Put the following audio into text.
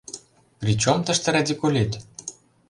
Причём тыште радикулит?!